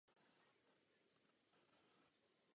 To jsou tři prvořadá témata.